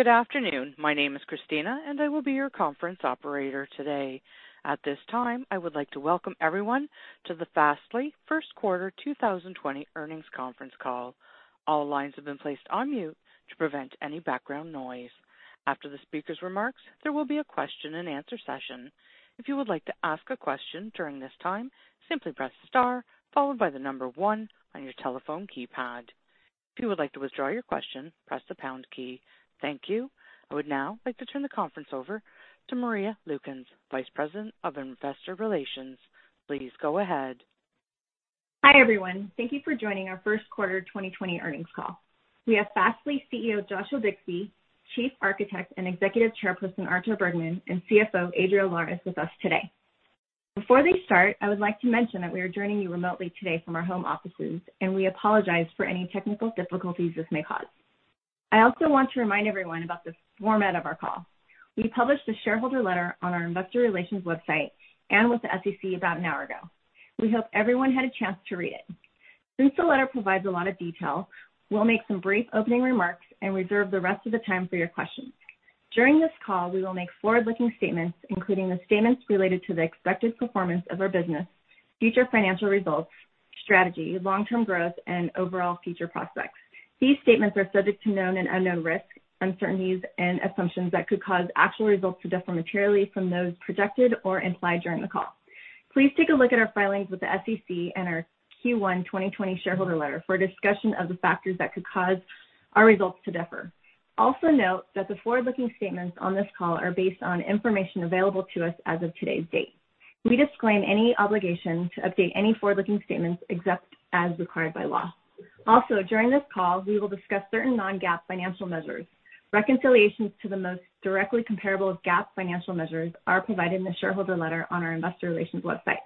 Good afternoon. My name is Christina, and I will be your conference operator today. At this time, I would like to welcome everyone to the Fastly first quarter 2020 earnings conference call. All lines have been placed on mute to prevent any background noise. After the speaker's remarks, there will be a question-and-answer session. If you would like to ask a question during this time, simply press star followed by the number one on your telephone keypad. If you would like to withdraw your question, press the pound key. Thank you. I would now like to turn the conference over to Maria Lukens, Vice President of Investor Relations. Please go ahead. Hi, everyone. Thank you for joining our first quarter 2020 earnings call. We have Fastly CEO, Joshua Bixby, Chief Architect and Executive Chairperson, Artur Bergman, and CFO, Adriel Lares, with us today. Before they start, I would like to mention that we are joining you remotely today from our home offices, and we apologize for any technical difficulties this may cause. I also want to remind everyone about the format of our call. We published a shareholder letter on our investor relations website and with the SEC about an hour ago. We hope everyone had a chance to read it. Since the letter provides a lot of detail, we'll make some brief opening remarks and reserve the rest of the time for your questions. During this call, we will make forward-looking statements, including the statements related to the expected performance of our business, future financial results, strategy, long-term growth, and overall future prospects. These statements are subject to known and unknown risks, uncertainties, and assumptions that could cause actual results to differ materially from those projected or implied during the call. Please take a look at our filings with the SEC and our Q1 2020 shareholder letter for a discussion of the factors that could cause our results to differ. Note that the forward-looking statements on this call are based on information available to us as of today's date. We disclaim any obligation to update any forward-looking statements except as required by law. During this call, we will discuss certain non-GAAP financial measures. Reconciliations to the most directly comparable of GAAP financial measures are provided in the shareholder letter on our investor relations website.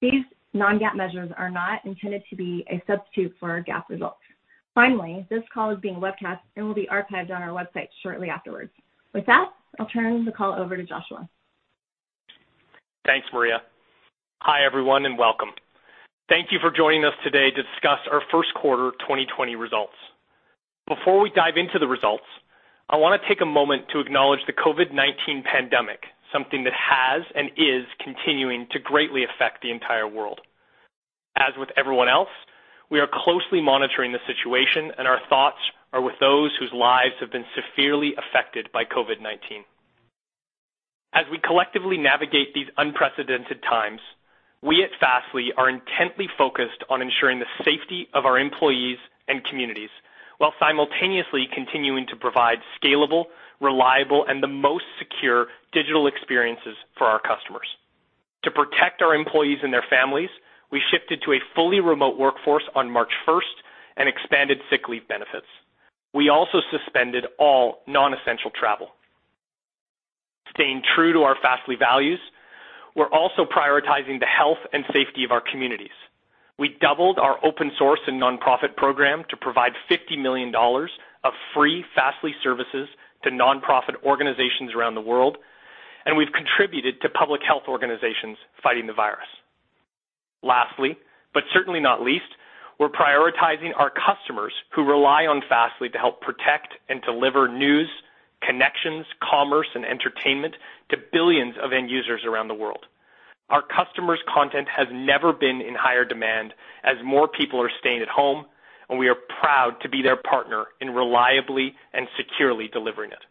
These non-GAAP measures are not intended to be a substitute for our GAAP results. This call is being webcast and will be archived on our website shortly afterwards. With that, I'll turn the call over to Joshua. Thanks, Maria. Hi, everyone, and welcome. Thank you for joining us today to discuss our first quarter 2020 results. Before we dive into the results, I want to take a moment to acknowledge the COVID-19 pandemic, something that has and is continuing to greatly affect the entire world. As with everyone else, we are closely monitoring the situation, and our thoughts are with those whose lives have been severely affected by COVID-19. As we collectively navigate these unprecedented times, we at Fastly are intently focused on ensuring the safety of our employees and communities while simultaneously continuing to provide scalable, reliable, and the most secure digital experiences for our customers. To protect our employees and their families, we shifted to a fully remote workforce on March 1st and expanded sick leave benefits. We also suspended all non-essential travel. Staying true to our Fastly values, we're also prioritizing the health and safety of our communities. We doubled our open source and nonprofit program to provide $50 million of free Fastly services to nonprofit organizations around the world, and we've contributed to public health organizations fighting the virus. Lastly, but certainly not least, we're prioritizing our customers who rely on Fastly to help protect and deliver news, connections, commerce, and entertainment to billions of end users around the world. Our customers' content has never been in higher demand as more people are staying at home, and we are proud to be their partner in reliably and securely delivering it.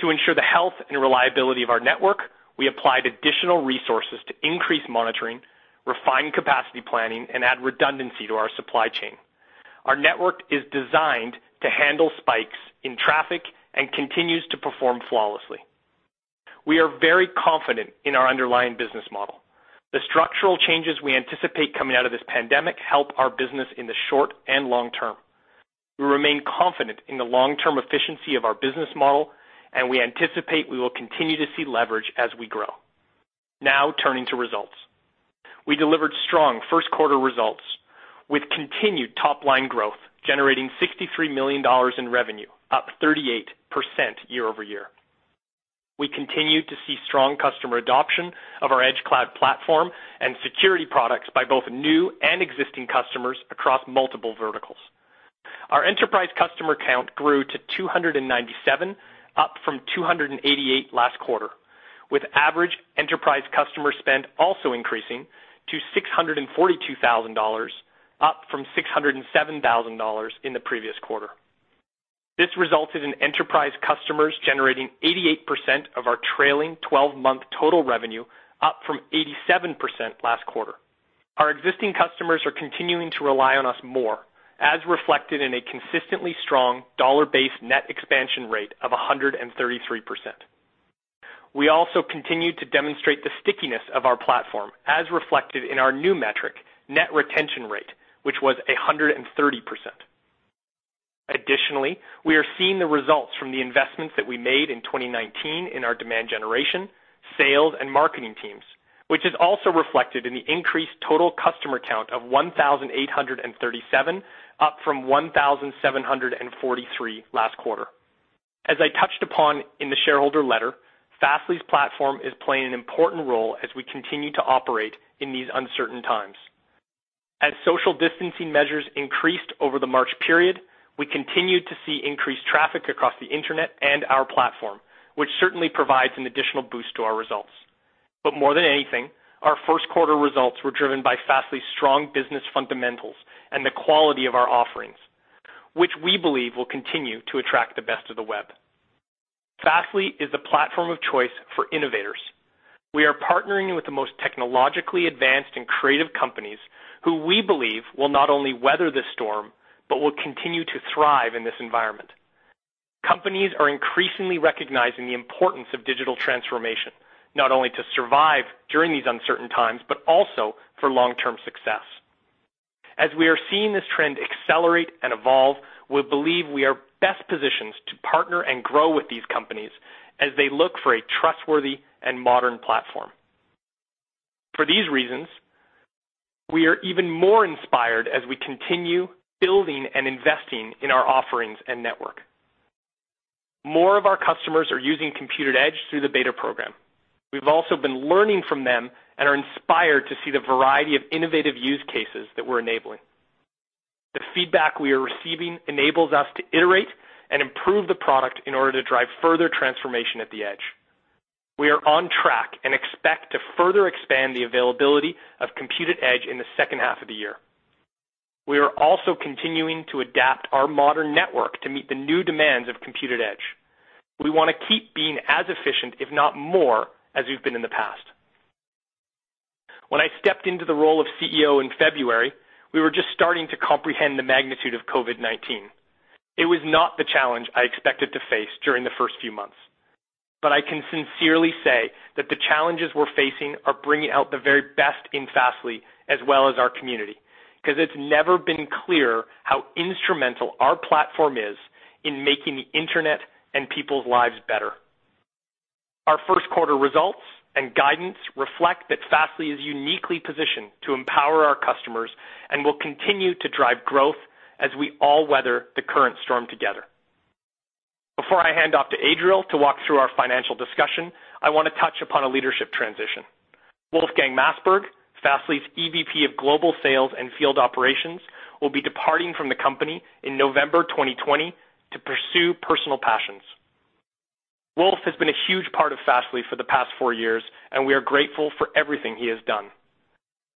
To ensure the health and reliability of our network, we applied additional resources to increase monitoring, refine capacity planning, and add redundancy to our supply chain. Our network is designed to handle spikes in traffic and continues to perform flawlessly. We are very confident in our underlying business model. The structural changes we anticipate coming out of this pandemic help our business in the short and long term. We remain confident in the long-term efficiency of our business model, and we anticipate we will continue to see leverage as we grow. Now turning to results. We delivered strong first quarter results with continued top-line growth, generating $63 million in revenue, up 38% year-over-year. We continue to see strong customer adoption of our Edge Cloud platform and security products by both new and existing customers across multiple verticals. Our enterprise customer count grew to 297, up from 288 last quarter, with average enterprise customer spend also increasing to $642,000, up from $607,000 in the previous quarter. This resulted in enterprise customers generating 88% of our trailing 12-month total revenue, up from 87% last quarter. Our existing customers are continuing to rely on us more, as reflected in a consistently strong Dollar-Based Net Expansion Rate of 133%. We also continue to demonstrate the stickiness of our platform, as reflected in our new metric, Net Retention Rate, which was 130%. Additionally, we are seeing the results from the investments that we made in 2019 in our demand generation, sales, and marketing teams, which is also reflected in the increased total customer count of 1,837, up from 1,743 last quarter. As I touched upon in the shareholder letter, Fastly's platform is playing an important role as we continue to operate in these uncertain times. As social distancing measures increased over the March period, we continued to see increased traffic across the internet and our platform, which certainly provides an additional boost to our results. More than anything, our first quarter results were driven by Fastly's strong business fundamentals and the quality of our offerings, which we believe will continue to attract the best of the web. Fastly is the platform of choice for innovators. We are partnering with the most technologically advanced and creative companies who we believe will not only weather this storm, but will continue to thrive in this environment. Companies are increasingly recognizing the importance of digital transformation, not only to survive during these uncertain times, but also for long-term success. As we are seeing this trend accelerate and evolve, we believe we are best positioned to partner and grow with these companies as they look for a trustworthy and modern platform. For these reasons, we are even more inspired as we continue building and investing in our offerings and network. More of our customers are using Compute@Edge through the beta program. We've also been learning from them and are inspired to see the variety of innovative use cases that we're enabling. The feedback we are receiving enables us to iterate and improve the product in order to drive further transformation at the edge. We are on track and expect to further expand the availability of Compute@Edge in the second half of the year. We are also continuing to adapt our modern network to meet the new demands of Compute@Edge. We want to keep being as efficient, if not more, as we've been in the past. When I stepped into the role of CEO in February, we were just starting to comprehend the magnitude of COVID-19. It was not the challenge I expected to face during the first few months. I can sincerely say that the challenges we're facing are bringing out the very best in Fastly, as well as our community, because it's never been clearer how instrumental our platform is in making the internet and people's lives better. Our first quarter results and guidance reflect that Fastly is uniquely positioned to empower our customers and will continue to drive growth as we all weather the current storm together. Before I hand off to Adriel to walk through our financial discussion, I want to touch upon a leadership transition. Wolfgang Maasberg, Fastly's EVP of Global Sales and Field Operations, will be departing from the company in November 2020 to pursue personal passions. Wolf has been a huge part of Fastly for the past four years, and we are grateful for everything he has done.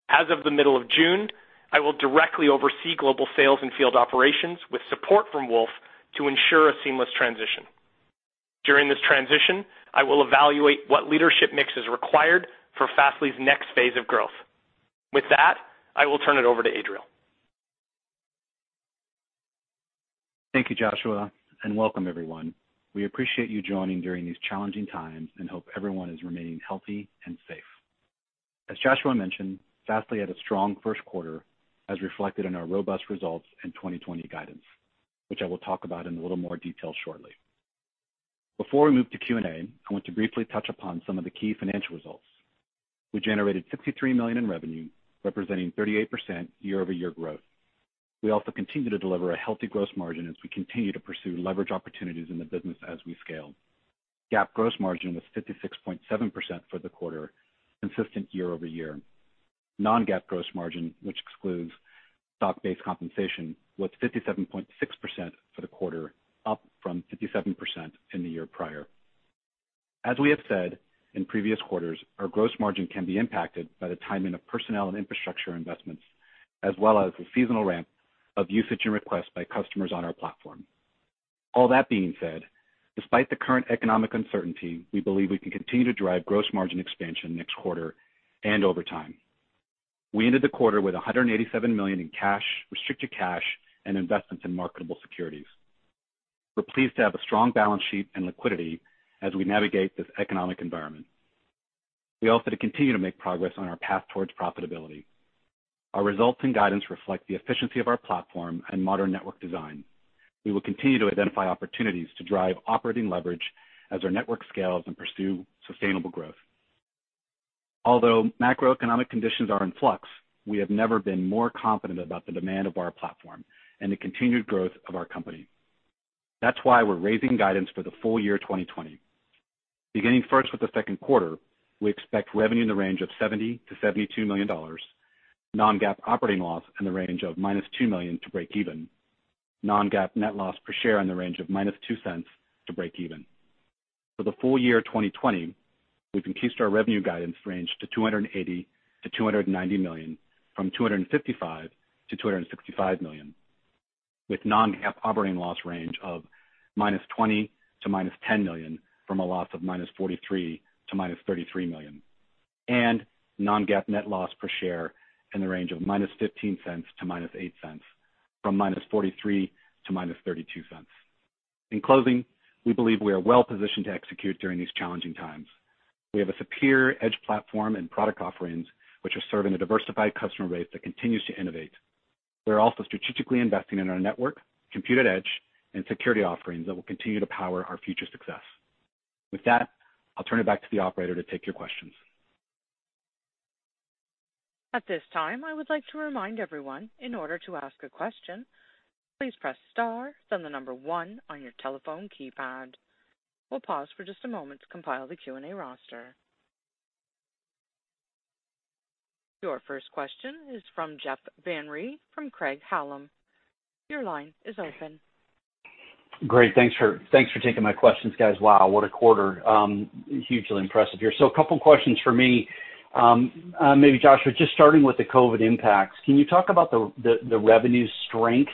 As of the middle of June, I will directly oversee Global Sales and Field Operations with support from Wolf to ensure a seamless transition. During this transition, I will evaluate what leadership mix is required for Fastly's next phase of growth. I will turn it over to Adriel. Thank you, Joshua. Welcome everyone. We appreciate you joining during these challenging times, and hope everyone is remaining healthy and safe. As Joshua mentioned, Fastly had a strong first quarter, as reflected in our robust results and 2020 guidance, which I will talk about in a little more detail shortly. Before we move to Q&A, I want to briefly touch upon some of the key financial results. We generated $63 million in revenue, representing 38% year-over-year growth. We also continue to deliver a healthy gross margin as we continue to pursue leverage opportunities in the business as we scale. GAAP gross margin was 56.7% for the quarter, consistent year-over-year. Non-GAAP gross margin, which excludes stock-based compensation, was 57.6% for the quarter, up from 57% in the year prior. As we have said in previous quarters, our gross margin can be impacted by the timing of personnel and infrastructure investments, as well as the seasonal ramp of usage and requests by customers on our platform. All that being said, despite the current economic uncertainty, we believe we can continue to drive gross margin expansion next quarter and over time. We ended the quarter with $187 million in cash, restricted cash, and investments in marketable securities. We're pleased to have a strong balance sheet and liquidity as we navigate this economic environment. We also continue to make progress on our path towards profitability. Our results and guidance reflect the efficiency of our platform and modern network design. We will continue to identify opportunities to drive operating leverage as our network scales and pursue sustainable growth. Although macroeconomic conditions are in flux, we have never been more confident about the demand of our platform and the continued growth of our company. That's why we're raising guidance for the full year 2020. Beginning first with the second quarter, we expect revenue in the range of $70 million-$72 million, non-GAAP operating loss in the range of -$2 million to break even, non-GAAP net loss per share in the range of -$0.02 to break even. For the full year 2020, we've increased our revenue guidance range to $280 million-$290 million from $255 million-$265 million, with non-GAAP operating loss range of -$20 million to -$10 million from a loss of -$43 million to -$33 million, and non-GAAP net loss per share in the range of -$0.15 to -$0.08 from -$0.43 to -$0.32. In closing, we believe we are well positioned to execute during these challenging times. We have a superior edge platform and product offerings which are serving a diversified customer base that continues to innovate. We're also strategically investing in our network, Compute@Edge, and security offerings that will continue to power our future success. With that, I'll turn it back to the operator to take your questions At this time, I would like to remind everyone, in order to ask a question, please press star, then the number one on your telephone keypad. We'll pause for just a moment to compile the Q&A roster. Your first question is from Jeff Van Rhee from Craig-Hallum. Your line is open. Great. Thanks for taking my questions, guys. Wow, what a quarter. Hugely impressive here. A couple of questions for me. Maybe Josh, just starting with the COVID impacts, can you talk about the revenue strength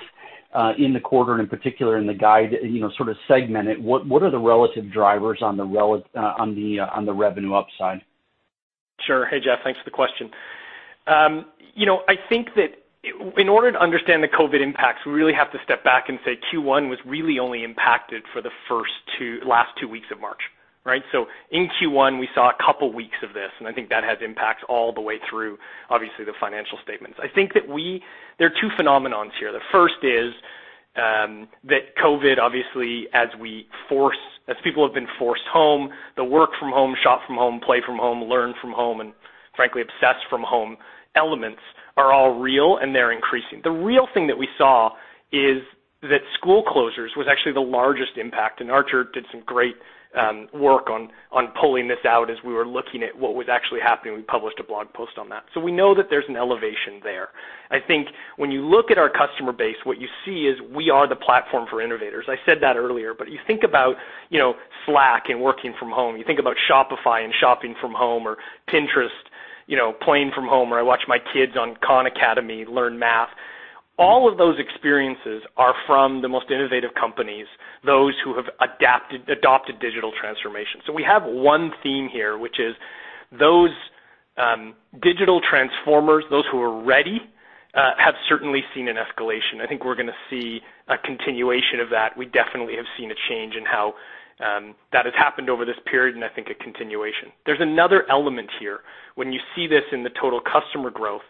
in the quarter and in particular in the guide, sort of segmented, what are the relative drivers on the revenue upside? Sure. Hey, Jeff, thanks for the question. I think that in order to understand the COVID impacts, we really have to step back and say Q1 was really only impacted for the last two weeks of March, right? In Q1, we saw a couple weeks of this, and I think that has impacts all the way through, obviously, the financial statements. I think that there are two phenomenons here. The first is that COVID, obviously, as people have been forced home, the work from home, shop from home, play from home, learn from home, and frankly, obsess from home elements are all real, and they're increasing. The real thing that we saw is that school closures was actually the largest impact, and Artur did some great work on pulling this out as we were looking at what was actually happening. We published a blog post on that. We know that there's an elevation there. I think when you look at our customer base, what you see is we are the platform for innovators. I said that earlier, but you think about Slack and working from home. You think about Shopify and shopping from home or Pinterest, playing from home, or I watch my kids on Khan Academy learn math. All of those experiences are from the most innovative companies, those who have adopted digital transformation. We have one theme here, which is those digital transformers, those who are ready, have certainly seen an escalation. I think we're going to see a continuation of that. We definitely have seen a change in how that has happened over this period, and I think a continuation. There's another element here. When you see this in the total customer growth,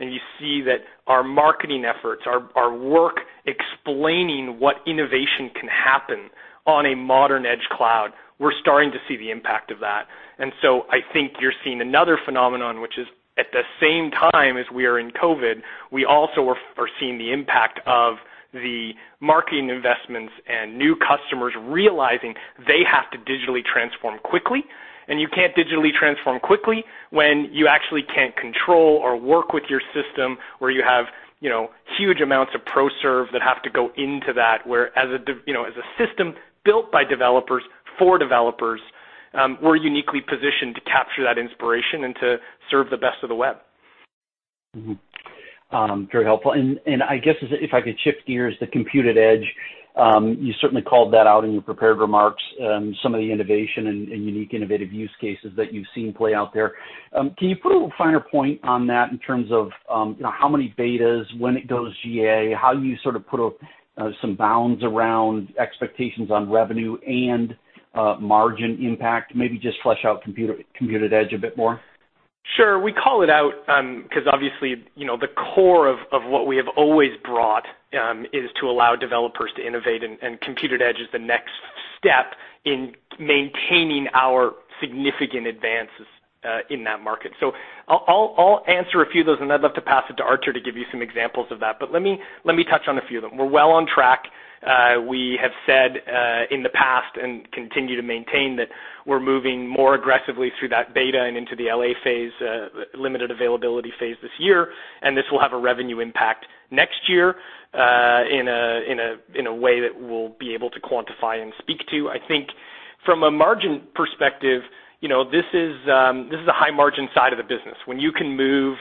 and you see that our marketing efforts, our work explaining what innovation can happen on a modern edge cloud, we're starting to see the impact of that. I think you're seeing another phenomenon, which is at the same time as we are in COVID, we also are foreseeing the impact of the marketing investments and new customers realizing they have to digitally transform quickly, and you can't digitally transform quickly when you actually can't control or work with your system, where you have huge amounts of ProServ that have to go into that, where as a system built by developers for developers, we're uniquely positioned to capture that inspiration and to serve the best of the web. Very helpful. I guess if I could shift gears to Compute@Edge, you certainly called that out in your prepared remarks, some of the innovation and unique innovative use cases that you've seen play out there. Can you put a finer point on that in terms of how many betas, when it goes GA, how you sort of put some bounds around expectations on revenue and margin impact? Maybe just flesh out Compute@Edge a bit more. Sure. We call it out because obviously, the core of what we have always brought is to allow developers to innovate, and Compute@Edge is the next step in maintaining our significant advances in that market. I'll answer a few of those, and I'd love to pass it to Artur to give you some examples of that. Let me touch on a few of them. We're well on track. We have said in the past and continue to maintain that we're moving more aggressively through that beta and into the L.A. phase, limited availability phase this year, and this will have a revenue impact next year in a way that we'll be able to quantify and speak to. I think from a margin perspective, this is the high margin side of the business. When you can move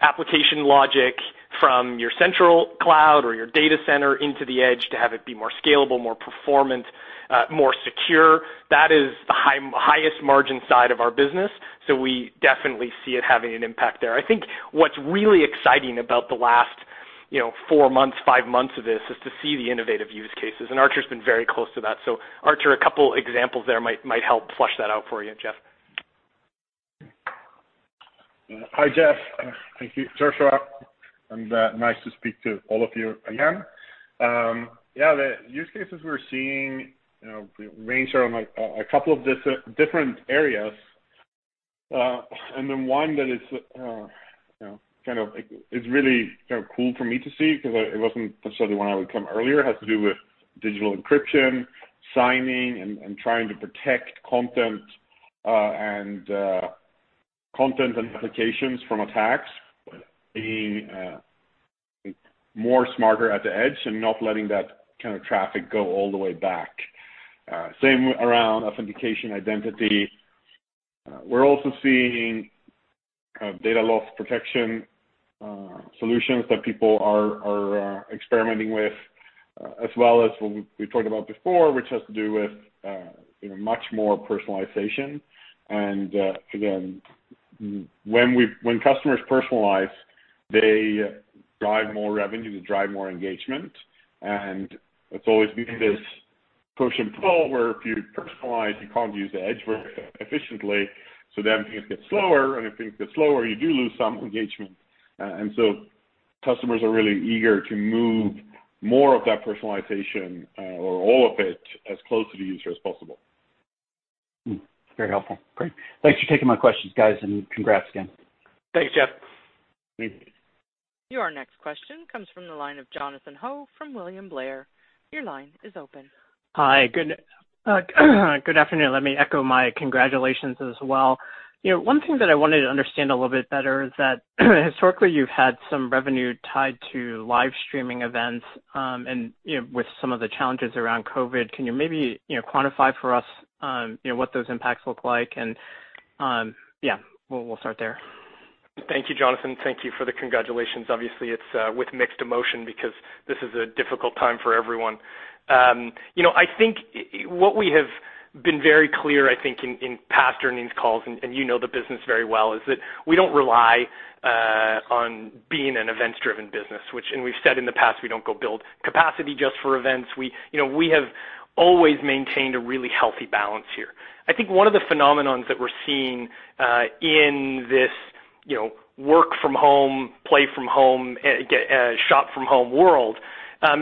application logic from your central cloud or your data center into the edge to have it be more scalable, more performant, more secure, that is the highest margin side of our business. We definitely see it having an impact there. I think what's really exciting about the last four months, five months of this is to see the innovative use cases, Artur's been very close to that. Artur, a couple examples there might help flush that out for you, Jeff. Hi, Jeff. Thank you, Josh. Nice to speak to all of you again. Yeah, the use cases we're seeing range around a couple of different areas. One that is really cool for me to see, because it wasn't necessarily one I would come earlier, has to do with digital encryption, signing, and trying to protect content and applications from attacks, being more smarter at the edge and not letting that kind of traffic go all the way back. Same around authentication identity. We're also seeing data loss protection solutions that people are experimenting with, as well as what we talked about before, which has to do with much more personalization. Again, when customers personalize, they drive more revenue, they drive more engagement. It's always been this push and pull where if you personalize, you can't use the edge very efficiently, so then things get slower, and if things get slower, you do lose some engagement. Customers are really eager to move more of that personalization, or all of it, as close to the user as possible. Very helpful. Great. Thanks for taking my questions, guys, and congrats again. Thanks, Jeff. Thanks. Your next question comes from the line of Jonathan Ho from William Blair. Your line is open. Hi. Good afternoon. Let me echo my congratulations as well. One thing that I wanted to understand a little bit better is that historically you've had some revenue tied to live streaming events. With some of the challenges around COVID, can you maybe quantify for us what those impacts look like? Yeah. We'll start there. Thank you, Jonathan. Thank you for the congratulations. Obviously, it's with mixed emotion because this is a difficult time for everyone. I think what we have been very clear in past earnings calls, and you know the business very well, is that we don't rely on being an events-driven business. We've said in the past, we don't go build capacity just for events. We have always maintained a really healthy balance here. I think one of the phenomenons that we're seeing, in this work-from-home, play-from-home, shop-from-home world,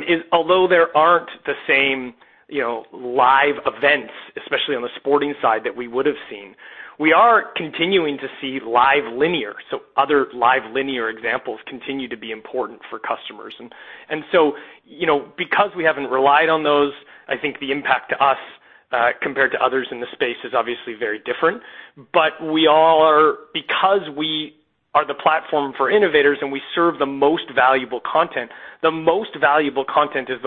is although there aren't the same live events, especially on the sporting side, that we would've seen, we are continuing to see live linear. Other live linear examples continue to be important for customers. Because we haven't relied on those, I think the impact to us, compared to others in the space is obviously very different. Because we are the platform for innovators and we serve the most valuable content, the most valuable content is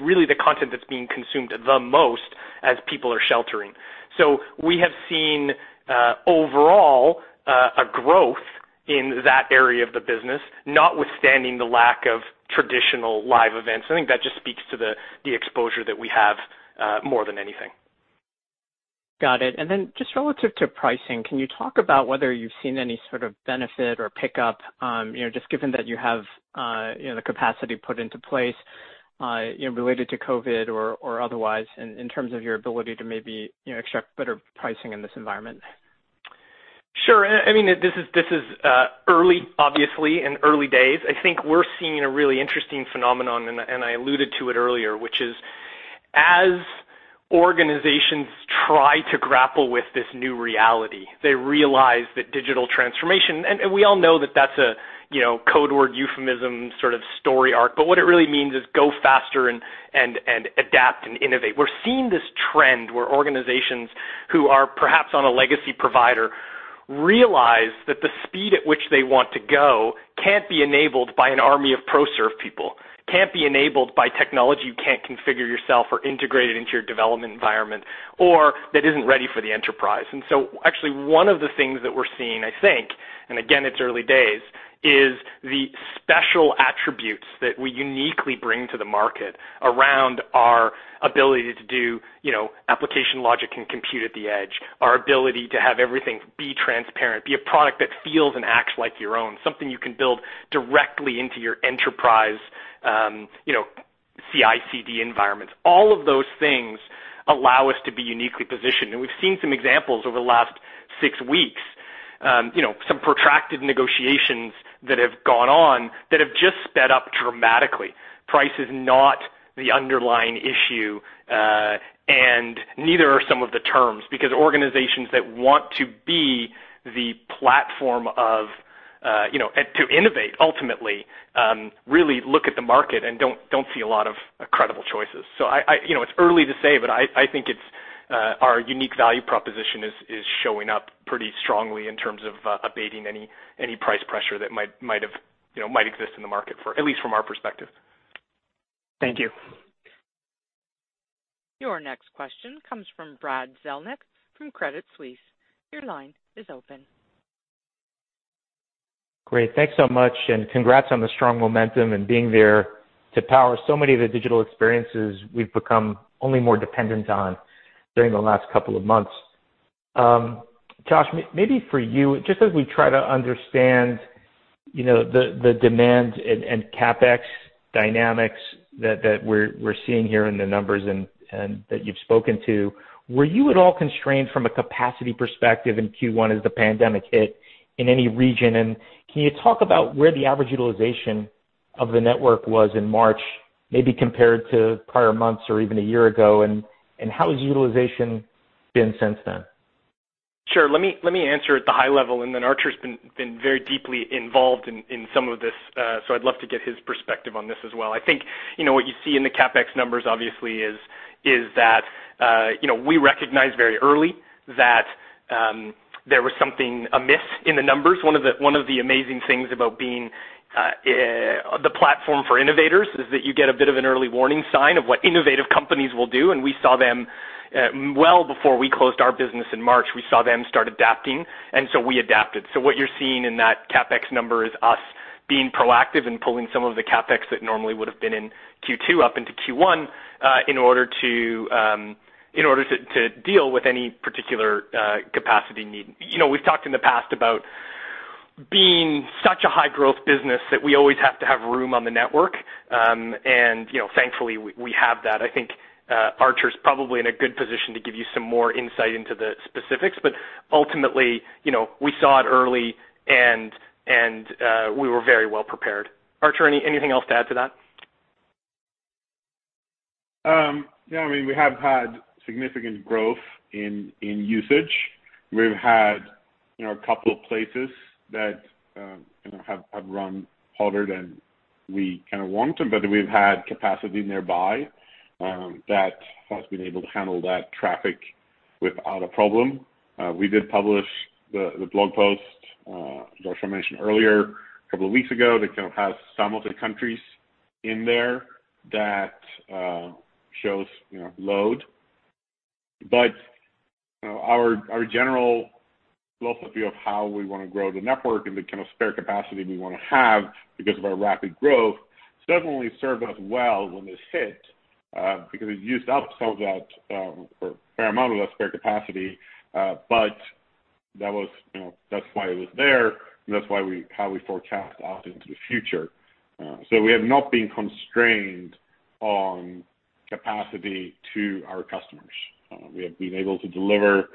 really the content that's being consumed the most as people are sheltering. We have seen, overall, a growth in that area of the business, notwithstanding the lack of traditional live events. I think that just speaks to the exposure that we have, more than anything. Got it. And then just relative to pricing, can you talk about whether you've seen any sort of benefit or pickup, just given that you have the capacity put into place, related to COVID-19 or otherwise, in terms of your ability to maybe extract better pricing in this environment? Sure. This is early, obviously, in early days. I think we're seeing a really interesting phenomenon, and I alluded to it earlier, which is, as organizations try to grapple with this new reality, they realize that digital transformation, and we all know that that's a code word euphemism sort of story arc, but what it really means is go faster and adapt and innovate. We're seeing this trend where organizations who are perhaps on a legacy provider realize that the speed at which they want to go can't be enabled by an army of ProServ people, can't be enabled by technology you can't configure yourself or integrate it into your development environment, or that isn't ready for the enterprise. Actually, one of the things that we're seeing, I think, and again, it's early days, is the special attributes that we uniquely bring to the market around our ability to do application logic and Compute@Edge, our ability to have everything be transparent, be a product that feels and acts like your own, something you can build directly into your enterprise CICD environments. All of those things allow us to be uniquely positioned. We've seen some examples over the last six weeks. Some protracted negotiations that have gone on that have just sped up dramatically. Price is not the underlying issue, and neither are some of the terms, because organizations that want to be the platform to innovate, ultimately, really look at the market and don't see a lot of credible choices. It's early to say, but I think our unique value proposition is showing up pretty strongly in terms of abating any price pressure that might exist in the market, at least from our perspective. Thank you. Your next question comes from Brad Zelnick from Credit Suisse. Your line is open. Great. Thanks so much, congrats on the strong momentum and being there to power so many of the digital experiences we've become only more dependent on during the last couple of months. Josh, maybe for you, just as we try to understand the demand and CapEx dynamics that we're seeing here in the numbers and that you've spoken to, were you at all constrained from a capacity perspective in Q1 as the pandemic hit in any region? Can you talk about where the average utilization of the network was in March, maybe compared to prior months or even a year ago, and how has utilization been since then? Sure. Let me answer at the high level, Artur's been very deeply involved in some of this, I'd love to get his perspective on this as well. I think what you see in the CapEx numbers, obviously, is that we recognized very early that there was something amiss in the numbers. One of the amazing things about being the platform for innovators is that you get a bit of an early warning sign of what innovative companies will do, well before we closed our business in March, we saw them start adapting, we adapted. What you're seeing in that CapEx number is us being proactive and pulling some of the CapEx that normally would've been in Q2 up into Q1, in order to deal with any particular capacity need. We've talked in the past about being such a high-growth business that we always have to have room on the network. Thankfully, we have that. I think Artur's probably in a good position to give you some more insight into the specifics, but ultimately, we saw it early and we were very well prepared. Artur, anything else to add to that? Yeah, we have had significant growth in usage. We've had a couple of places that have run hotter than we want them, but we've had capacity nearby that has been able to handle that traffic without a problem. We did publish the blog post, Joshua mentioned earlier, a couple of weeks ago that has some of the countries in there that shows load. Our general philosophy of how we want to grow the network and the spare capacity we want to have because of our rapid growth certainly served us well when this hit, because it used up some of that, or a fair amount of that spare capacity. That's why it was there, and that's how we forecast out into the future. We have not been constrained on capacity to our customers. We have been able to deliver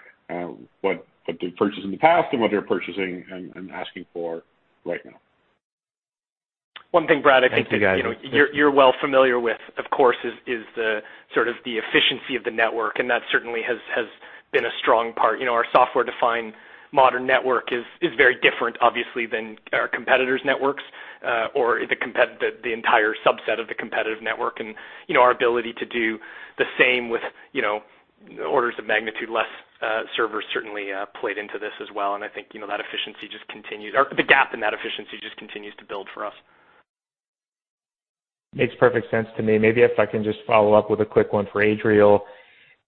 what they purchased in the past and what they're purchasing and asking for right now. One thing, Brad. Thank you, guys. you're well familiar with, of course, is the efficiency of the network, and that certainly has been a strong part. Our software-defined modern network is very different, obviously, than our competitors' networks, or the entire subset of the competitive network. Our ability to do the same with orders of magnitude less servers certainly played into this as well, and I think the gap in that efficiency just continues to build for us. Makes perfect sense to me. Maybe if I can just follow-up with a quick one for Adriel.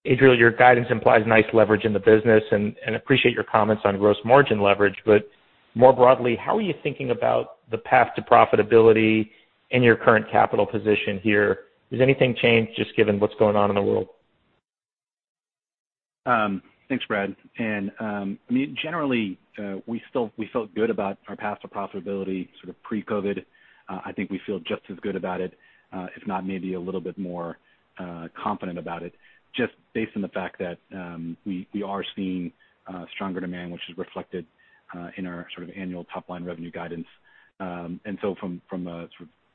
Adriel, your guidance implies nice leverage in the business, and appreciate your comments on gross margin leverage. More broadly, how are you thinking about the path to profitability in your current capital position here? Has anything changed just given what's going on in the world? Thanks, Brad. Generally, we felt good about our path to profitability pre-COVID. I think we feel just as good about it, if not maybe a little bit more confident about it, just based on the fact that we are seeing stronger demand, which is reflected in our annual top-line revenue guidance. From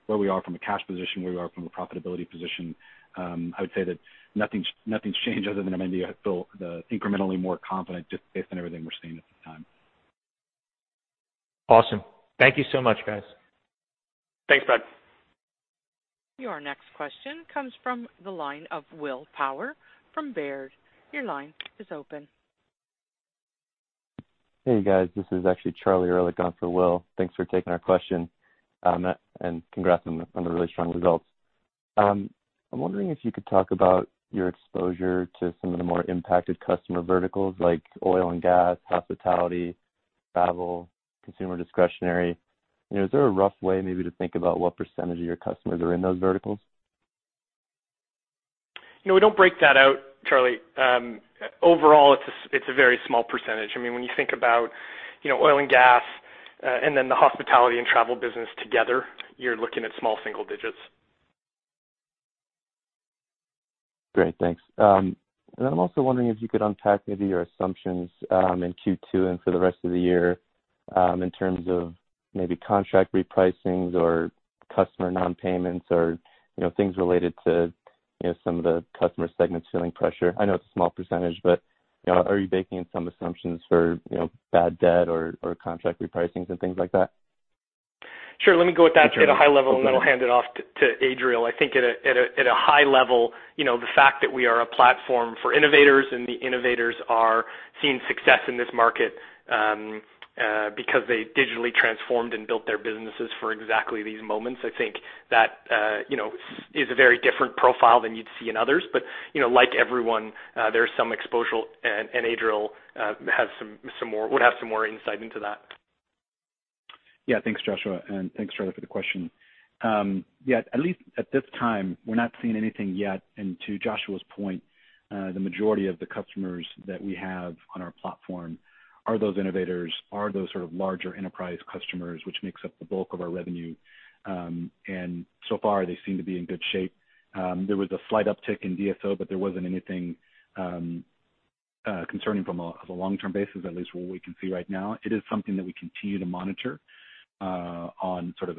where we are from a cash position, where we are from a profitability position, I would say that nothing's changed other than I maybe feel incrementally more confident just based on everything we're seeing at this time. Awesome. Thank you so much, guys. Thanks, Brad. Your next question comes from the line of Will Power from Baird. Your line is open. Hey, guys. This is actually Charlie Ehrlich on for Will. Thanks for taking our question, and congrats on the really strong results. I'm wondering if you could talk about your exposure to some of the more impacted customer verticals like oil and gas, hospitality, travel, consumer discretionary. Is there a rough way maybe to think about what percentage of your customers are in those verticals? We don't break that out, Charlie. Overall, it's a very small percentage. When you think about oil and gas and then the hospitality and travel business together, you're looking at small single digits. Great. Thanks. Then I'm also wondering if you could unpack maybe your assumptions in Q2 and for the rest of the year in terms of maybe contract repricings or customer non-payments or things related to some of the customer segments feeling pressure. I know it's a small percentage, but are you baking in some assumptions for bad debt or contract repricings and things like that? Sure, let me go at that at a high level, and then I'll hand it off to Adriel. I think at a high level, the fact that we are a platform for innovators and the innovators are seeing success in this market because they digitally transformed and built their businesses for exactly these moments, I think that is a very different profile than you'd see in others. Like everyone, there's some exposure, and Adriel would have some more insight into that. Thanks, Joshua, and thanks, Charlie, for the question. At least at this time, we're not seeing anything yet. To Joshua's point, the majority of the customers that we have on our platform are those innovators, are those larger enterprise customers, which makes up the bulk of our revenue. So far, they seem to be in good shape. There was a slight uptick in DSO, but there wasn't anything concerning from a long-term basis, at least what we can see right now. It is something that we continue to monitor on a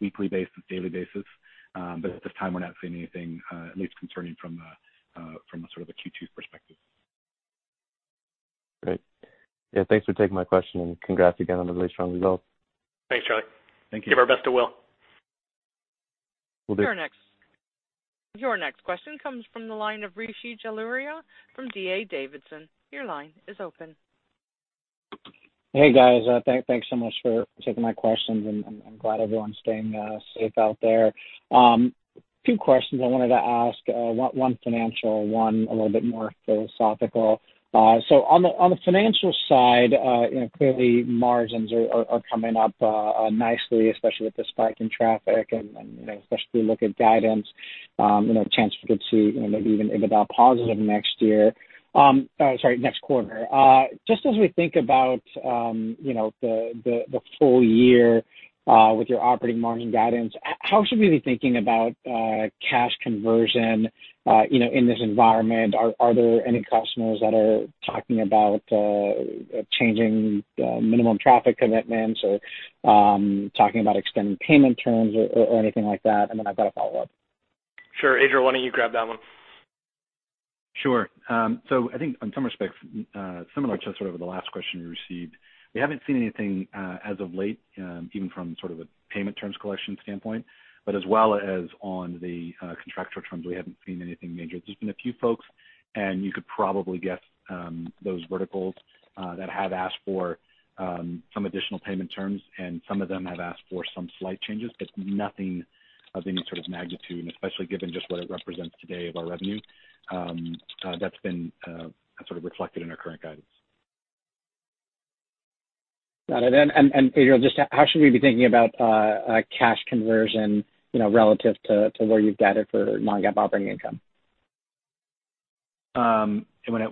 weekly basis, daily basis. At this time, we're not seeing anything, at least concerning from a Q2 perspective. Great. Yeah, thanks for taking my question. Congrats again on the really strong results. Thanks, Charlie. Thank you. Give our best to Will. Will do. Your next question comes from the line of Rishi Jaluria from D.A. Davidson. Your line is open. Hey, guys. Thanks so much for taking my questions. I'm glad everyone's staying safe out there. Two questions I wanted to ask, one financial, one a little bit more philosophical. On the financial side, clearly margins are coming up nicely, especially with the spike in traffic and especially look at guidance, chance we could see maybe even EBITDA positive next quarter. Just as we think about the full year with your operating margin guidance, how should we be thinking about cash conversion in this environment? Are there any customers that are talking about changing minimum traffic commitments or talking about extending payment terms or anything like that? Then I've got a follow-up. Sure. Adriel, why don't you grab that one? I think in some respects, similar to the last question you received, we haven't seen anything as of late, even from a payment terms collection standpoint, but as well as on the contractual terms, we haven't seen anything major. There's been a few folks, and you could probably guess those verticals that have asked for some additional payment terms, and some of them have asked for some slight changes, but nothing of any sort of magnitude, and especially given just what it represents today of our revenue that's been reflected in our current guidance. Got it. Adriel, just how should we be thinking about cash conversion relative to where you've guided for non-GAAP operating income? Are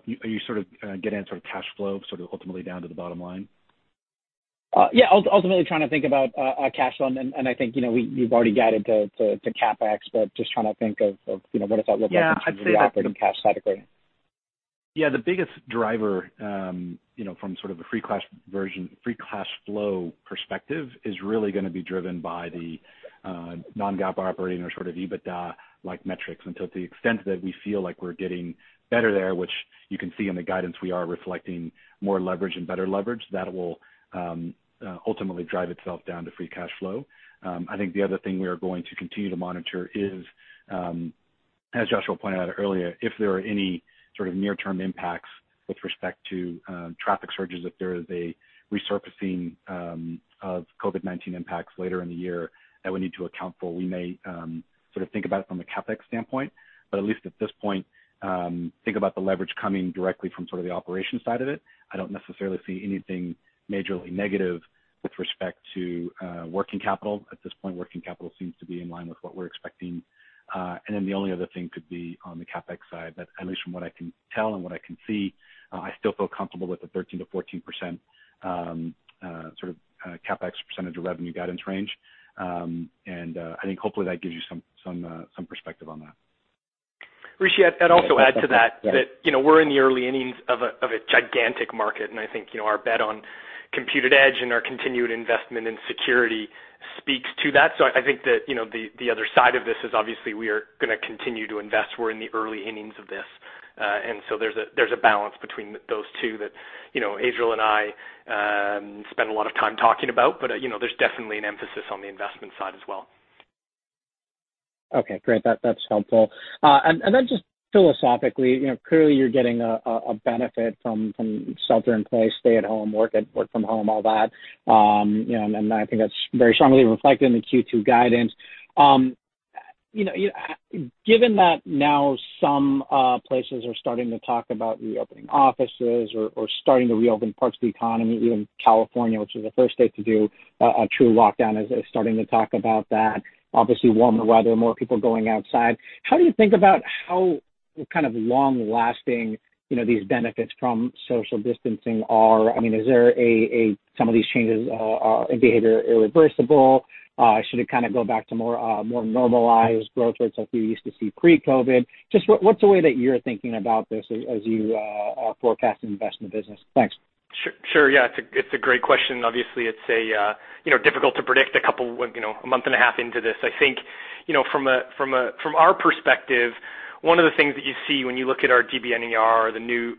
you sort of getting at cash flow ultimately down to the bottom line? Yeah. Ultimately trying to think about cash flow. I think we've already guided to CapEx. Just trying to think of what does that look like. Yeah, I'd say that. From the operating cash side of things. Yeah. The biggest driver from a free cash flow perspective is really going to be driven by the non-GAAP operating or EBITDA-like metrics. To the extent that we feel like we're getting better there, which you can see in the guidance, we are reflecting more leverage and better leverage, that will ultimately drive itself down to free cash flow. I think the other thing we are going to continue to monitor is, as Joshua pointed out earlier, if there are any sort of near-term impacts with respect to traffic surges, if there is a resurfacing of COVID-19 impacts later in the year that we need to account for. We may think about it from a CapEx standpoint, but at least at this point, think about the leverage coming directly from the operation side of it. I don't necessarily see anything majorly negative with respect to working capital. At this point, working capital seems to be in line with what we're expecting. The only other thing could be on the CapEx side, that at least from what I can tell and what I can see, I still feel comfortable with the 13%-14% CapEx % of revenue guidance range. I think hopefully that gives you some perspective on that. Rishi, I'd also add to that we're in the early innings of a gigantic market, and I think our bet on Compute@Edge and our continued investment in security speaks to that. I think that the other side of this is obviously we are going to continue to invest. We're in the early innings of this. There's a balance between those two that Adriel and I spend a lot of time talking about, but there's definitely an emphasis on the investment side as well. Okay, great. That's helpful. Just philosophically, clearly you're getting a benefit from shelter in place, stay at home, work from home, all that. I think that's very strongly reflected in the Q2 guidance. Given that now some places are starting to talk about reopening offices or starting to reopen parts of the economy, even California, which was the first state to do a true lockdown, is starting to talk about that. Obviously warmer weather, more people going outside. How do you think about how long-lasting these benefits from social distancing are? Is there some of these changes in behavior irreversible? Should it go back to more normalized growth rates like we used to see pre-COVID-19? Just what's the way that you're thinking about this as you are forecasting investment business? Thanks. Sure. Yeah. It's a great question. Obviously, it's difficult to predict a couple 1.5 months Into this. I think from our perspective, one of the things that you see when you look at our DBNER or the new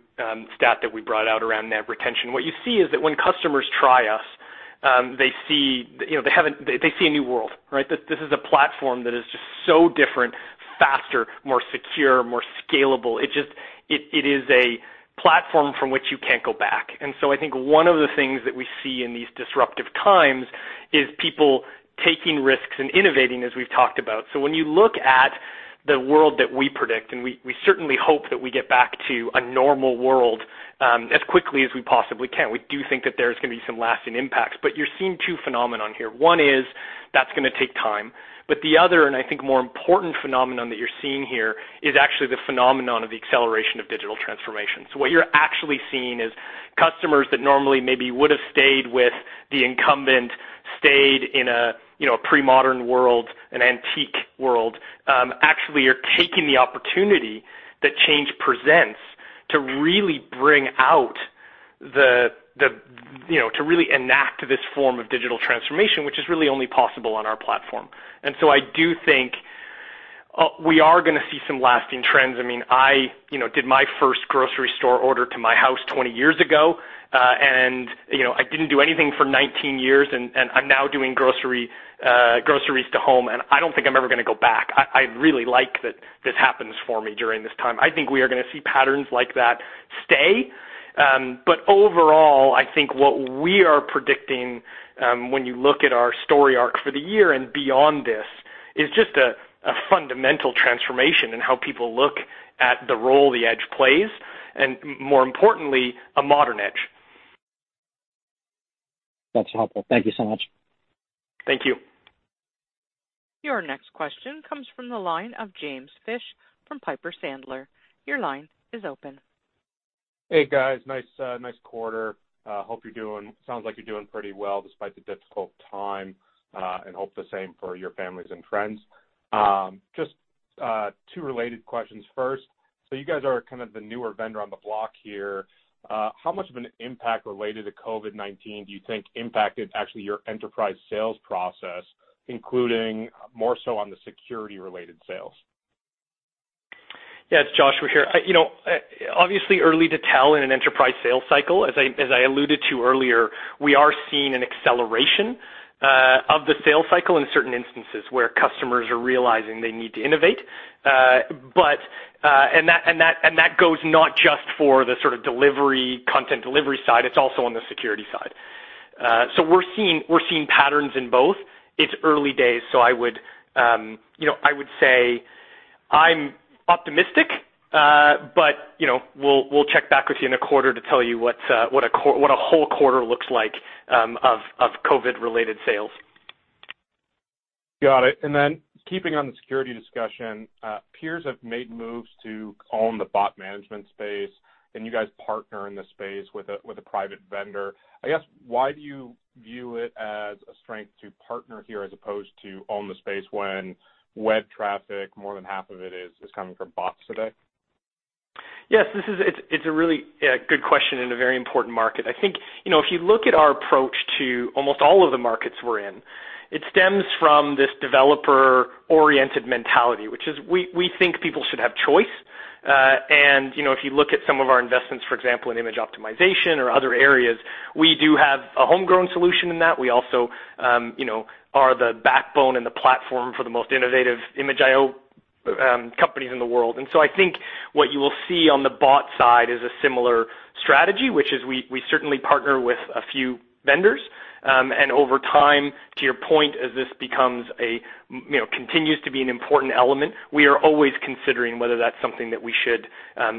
stat that we brought out around net retention, what you see is that when customers try us, they see a new world, right? This is a platform that is just so different, faster, more secure, more scalable. It is a platform from which you can't go back. I think one of the things that we see in these disruptive times is people taking risks and innovating, as we've talked about. When you look at the world that we predict, and we certainly hope that we get back to a normal world as quickly as we possibly can, we do think that there's going to be some lasting impacts. You're seeing two phenomenon here. One is that's going to take time. The other, and I think more important phenomenon that you're seeing here, is actually the phenomenon of the acceleration of digital transformation. What you're actually seeing is customers that normally maybe would've stayed with the incumbent, stayed in a pre-modern world, an antique world, actually are taking the opportunity that change presents to really enact this form of digital transformation, which is really only possible on our platform. I do think we are going to see some lasting trends. I did my first grocery store order to my house 20 years ago. I didn't do anything for 19 years, and I'm now doing groceries to home, and I don't think I'm ever going to go back. I really like that this happens for me during this time. I think we are going to see patterns like that stay. Overall, I think what we are predicting, when you look at our story arc for the year and beyond this, is just a fundamental transformation in how people look at the role the edge plays, and more importantly, a modern edge. That's helpful. Thank you so much. Thank you. Your next question comes from the line of James Fish from Piper Sandler. Your line is open. Hey, guys. Nice quarter. Sounds like you're doing pretty well despite the difficult time, and hope the same for your families and friends. Just two related questions. First, you guys are kind of the newer vendor on the block here. How much of an impact related to COVID-19 do you think impacted actually your enterprise sales process, including more so on the security-related sales? Yes, Josh, we're here. Obviously early to tell in an enterprise sales cycle. As I alluded to earlier, we are seeing an acceleration of the sales cycle in certain instances where customers are realizing they need to innovate. That goes not just for the sort of content delivery side, it's also on the security side. We're seeing patterns in both. It's early days, so I would say I'm optimistic. We'll check back with you in a quarter to tell you what a whole quarter looks like of COVID-19-related sales. Got it. Keeping on the security discussion, peers have made moves to own the bot management space, and you guys partner in the space with a private vendor. I guess, why do you view it as a strength to partner here as opposed to own the space when web traffic, more than half of it is coming from bots today? Yes, it's a really good question and a very important market. I think, if you look at our approach to almost all of the markets we're in, it stems from this developer-oriented mentality, which is we think people should have choice. If you look at some of our investments, for example, in image optimization or other areas, we do have a homegrown solution in that. We also are the backbone and the platform for the most innovative image I/O companies in the world. I think what you will see on the bot side is a similar strategy, which is we certainly partner with a few vendors. Over time, to your point, as this continues to be an important element, we are always considering whether that's something that we should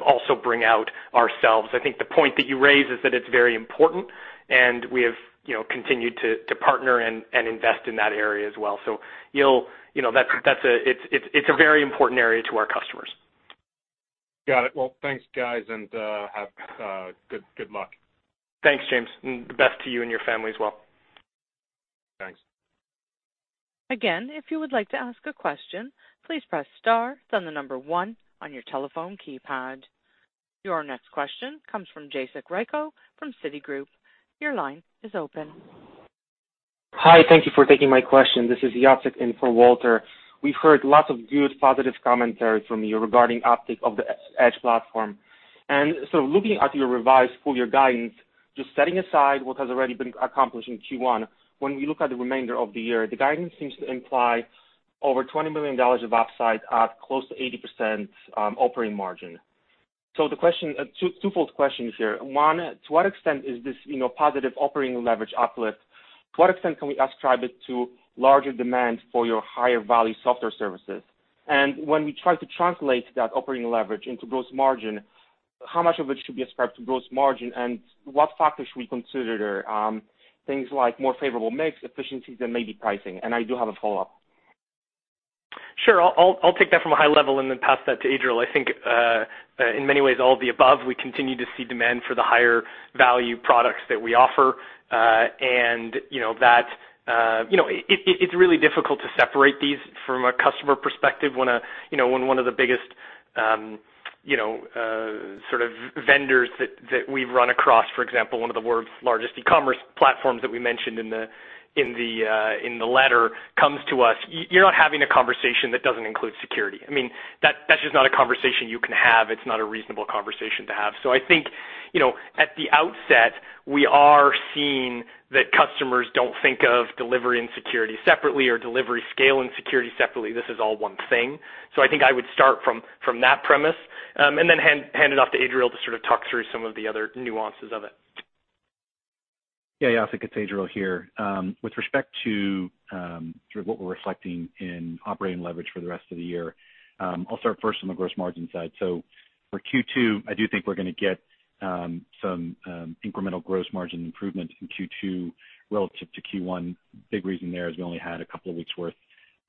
also bring out ourselves. I think the point that you raise is that it's very important, and we have continued to partner and invest in that area as well. It's a very important area to our customers. Got it. Well, thanks, guys, and have good luck. Thanks, James, and the best to you and your family as well. Thanks. Again, if you would like to ask a question, please press star, then the number one on your telephone keypad. Your next question comes from Jacek Rycko from Citigroup. Your line is open. Hi. Thank you for taking my question. This is Jacek in for Walter. We've heard lots of good positive commentary from you regarding uptick of the Edge platform. Looking at your revised full-year guidance, just setting aside what has already been accomplished in Q1, when we look at the remainder of the year, the guidance seems to imply over $20 million of upside at close to 80% operating margin. Twofold questions here. One, to what extent is this positive operating leverage uplift, to what extent can we ascribe it to larger demand for your higher value software services? When we try to translate that operating leverage into gross margin, how much of it should be ascribed to gross margin, and what factors should we consider there? Things like more favorable mix, efficiencies, and maybe pricing. I do have a follow-up. Sure. I'll take that from a high level and then pass that to Adriel. I think, in many ways, all of the above, we continue to see demand for the higher value products that we offer. It's really difficult to separate these from a customer perspective when one of the biggest sort of vendors that we've run across, for example, one of the world's largest e-commerce platforms that we mentioned in the letter, comes to us. You're not having a conversation that doesn't include security. That's just not a conversation you can have. It's not a reasonable conversation to have. I think, at the outset, we are seeing that customers don't think of delivery and security separately or delivery scale and security separately. This is all one thing. I think I would start from that premise, and then hand it off to Adriel to sort of talk through some of the other nuances of it. Yeah, Jacek, it's Adriel here. With respect to sort of what we're reflecting in operating leverage for the rest of the year, I'll start first on the gross margin side. For Q2, I do think we're going to get some incremental gross margin improvement in Q2 relative to Q1. Big reason there is we only had a couple of weeks worth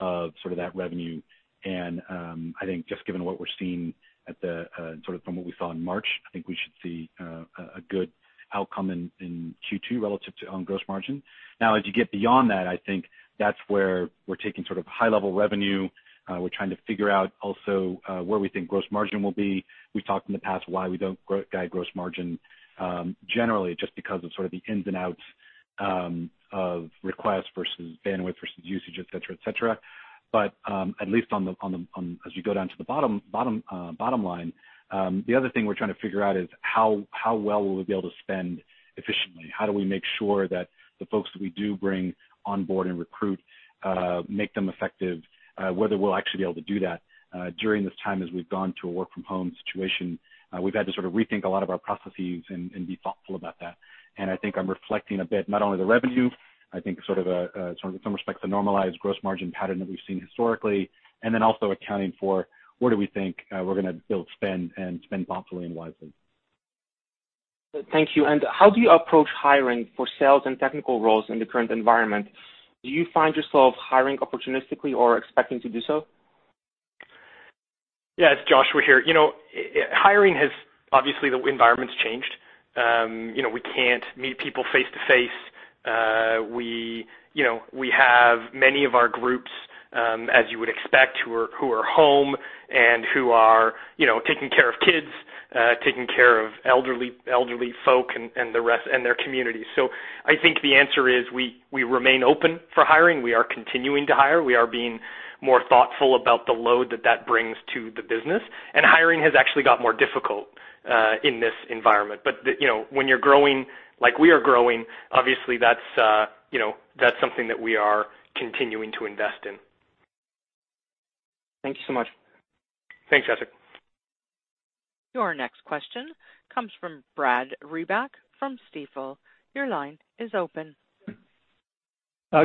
of sort of that revenue. I think just given what we're seeing from what we saw in March, I think we should see a good outcome in Q2 relative to gross margin. As you get beyond that, I think that's where we're taking sort of high-level revenue. We're trying to figure out also where we think gross margin will be. We've talked in the past why we don't guide gross margin. Generally, just because of sort of the ins and outs of requests versus bandwidth versus usage, et cetera. At least as you go down to the bottom line, the other thing we're trying to figure out is how well will we be able to spend efficiently. How do we make sure that the folks that we do bring on board and recruit, make them effective, whether we'll actually be able to do that during this time as we've gone to a work-from-home situation. We've had to sort of rethink a lot of our processes and be thoughtful about that. I think I'm reflecting a bit, not only the revenue, I think sort of in some respects, the normalized gross margin pattern that we've seen historically, and then also accounting for what do we think we're going to build, spend, and spend thoughtfully and wisely. Thank you. How do you approach hiring for sales and technical roles in the current environment? Do you find yourself hiring opportunistically or expecting to do so? Yeah. It's Josh, we're here. Obviously the environment's changed. We can't meet people face-to-face. We have many of our groups, as you would expect, who are home and who are taking care of kids, taking care of elderly folk and their communities. I think the answer is, we remain open for hiring. We are continuing to hire. We are being more thoughtful about the load that that brings to the business. Hiring has actually got more difficult in this environment. When you're growing like we are growing, obviously that's something that we are continuing to invest in. Thank you so much. Thanks, Jacek. Your next question comes from Brad Reback from Stifel. Your line is open.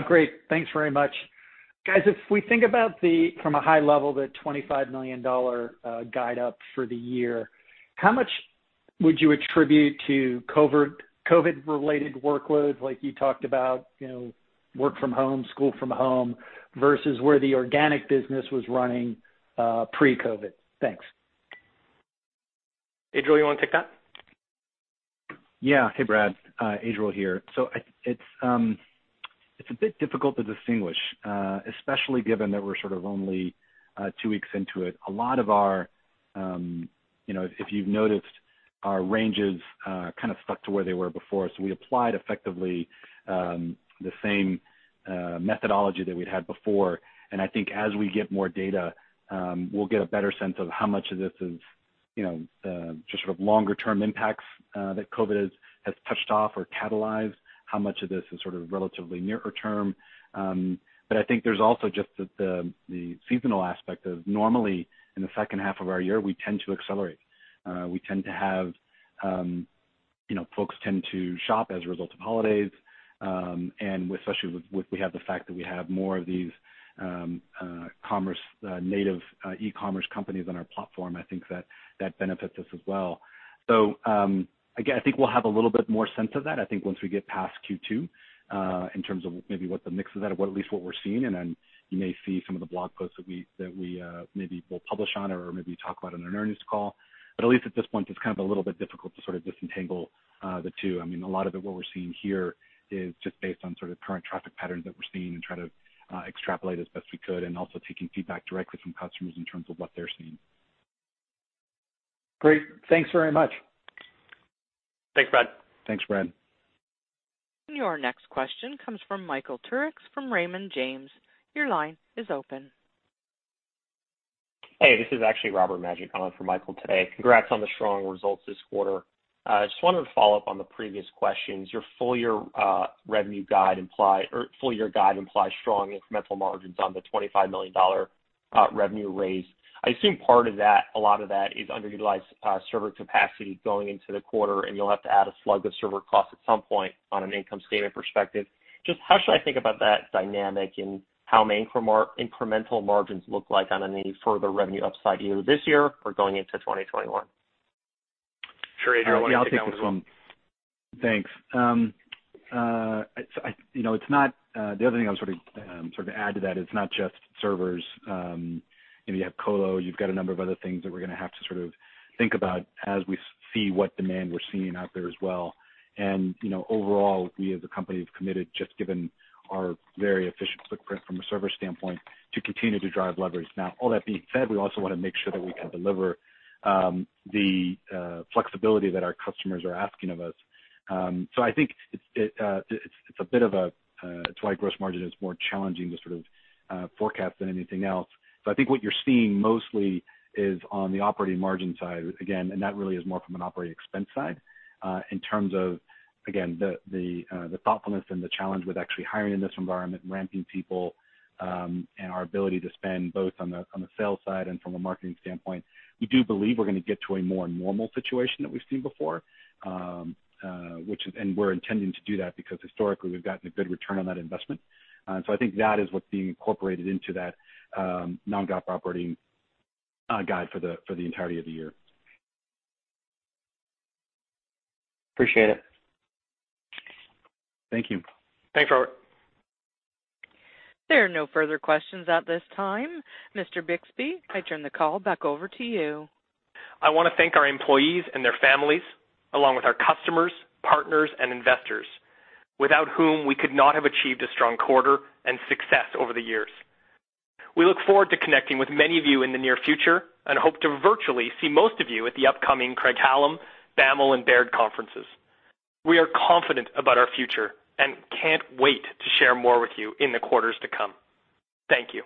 Great. Thanks very much. Guys, if we think about from a high level, the $25 million guide up for the year, how much would you attribute to COVID-related workloads, like you talked about, work from home, school from home, versus where the organic business was running pre-COVID? Thanks. Adriel, you want to take that? Yeah. Hey, Brad, Adriel here. It's a bit difficult to distinguish, especially given that we're sort of only two weeks into it. If you've noticed, our ranges kind of stuck to where they were before. We applied effectively the same methodology that we'd had before. I think as we get more data, we'll get a better sense of how much of this is just sort of longer term impacts that COVID has touched off or catalyzed, how much of this is sort of relatively nearer term. I think there's also just the seasonal aspect of, normally in the second half of our year, we tend to accelerate. We tend to have, folks tend to shop as a result of holidays, and especially with we have the fact that we have more of these commerce, native e-commerce companies on our platform, I think that benefits us as well. I think we'll have a little bit more sense of that, I think once we get past Q2, in terms of maybe what the mix is at, or at least what we're seeing, and then you may see some of the blog posts that we maybe will publish on or maybe talk about in an earnings call. At least at this point, it's kind of a little bit difficult to sort of disentangle the two. I mean, a lot of what we're seeing here is just based on sort of current traffic patterns that we're seeing and try to extrapolate as best we could, and also taking feedback directly from customers in terms of what they're seeing. Great. Thanks very much. Thanks, Brad. Thanks, Brad. Your next question comes from Michael Turits from Raymond James. Your line is open. Hey, this is actually Robert Majek on for Michael today. Congrats on the strong results this quarter. I just wanted to follow up on the previous questions. Your full year guide implies strong incremental margins on the $25 million revenue raise. I assume part of that, a lot of that is underutilized server capacity going into the quarter, and you'll have to add a slug of server costs at some point on an income statement perspective. Just how should I think about that dynamic and how incremental margins look like on any further revenue upside either this year or going into 2021? Sure, Adriel, why don't you take that one? Yeah, I'll take this one. Thanks. The other thing I would sort of add to that, it's not just servers. You have colo, you've got a number of other things that we're going to have to sort of think about as we see what demand we're seeing out there as well. Overall, we as a company have committed, just given our very efficient footprint from a server standpoint, to continue to drive leverage. Now, all that being said, we also want to make sure that we can deliver the flexibility that our customers are asking of us. I think it's a bit of a, it's why gross margin is more challenging to sort of forecast than anything else. I think what you're seeing mostly is on the operating margin side, again, and that really is more from an operating expense side, in terms of, again, the thoughtfulness and the challenge with actually hiring in this environment and ramping people, and our ability to spend both on the sales side and from a marketing standpoint. We do believe we're going to get to a more normal situation that we've seen before, and we're intending to do that because historically we've gotten a good return on that investment. I think that is what's being incorporated into that non-GAAP operating guide for the entirety of the year. Appreciate it. Thank you. Thanks, Robert. There are no further questions at this time. Mr. Bixby, I turn the call back over to you. I want to thank our employees and their families, along with our customers, partners, and investors, without whom we could not have achieved a strong quarter and success over the years. We look forward to connecting with many of you in the near future and hope to virtually see most of you at the upcoming Craig-Hallum, BAML, and Baird conferences. We are confident about our future and can't wait to share more with you in the quarters to come. Thank you.